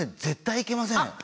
絶対いけません。